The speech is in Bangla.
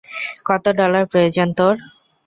কত ডলার প্রয়োজন তোর?